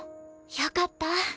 よかった。